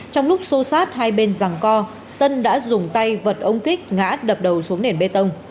trong lúc xô sát hai bên rằng co tân đã dùng tay vợt ông kích ngã đập đầu xuống nền bê tông